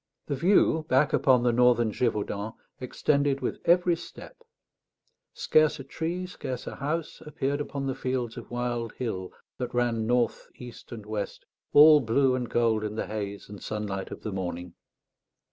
The view, back upon the northern Gévaudan, extended with every step; scarce a tree, scarce a house, appeared upon the fields of wild hill that ran north, east, and west, all blue and gold in the haze and sunlight of the morning.